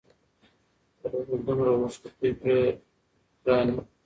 پرون مي دومره اوښكي توى كړې ګراني!